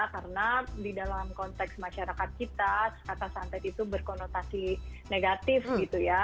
karena di dalam konteks masyarakat kita kata santet itu berkonotasi negatif gitu ya